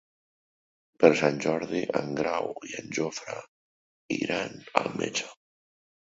Per Sant Jordi en Grau i en Jofre iran al metge.